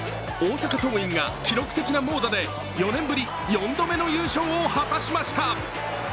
大阪桐蔭が記録的な猛打で４年ぶり４度目の優勝を果たしました。